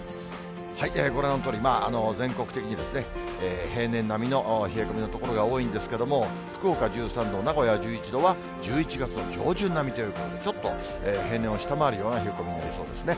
ご覧のとおり、全国的に平年並みの冷え込みの所が多いんですけれども、福岡１３度、名古屋は１１度は、１１月の上旬並みということで、ちょっと平年を下回るような冷え込みになりそうですね。